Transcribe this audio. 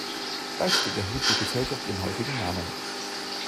Gleichzeitig erhielt die Gesellschaft ihren heutigen Namen.